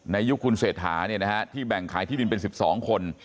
ยุคคุณเศรษฐาที่แบ่งขายที่ดินเป็น๑๒คน